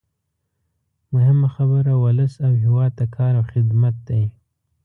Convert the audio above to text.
مهمه خبره ولس او هېواد ته کار او خدمت دی.